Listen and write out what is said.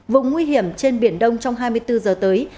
vùng nguy hiểm trên biển đông trong hai mươi bốn giờ tới